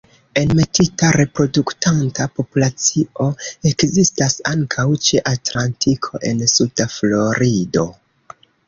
Enmetita reproduktanta populacio ekzistas ankaŭ ĉe Atlantiko en suda Florido.